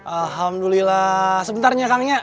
alhamdulillah sebentarnya kang ya